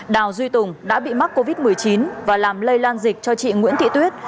đào duy tùng đã bị mắc covid một mươi chín và làm lây lan dịch cho chị nguyễn thị tuyết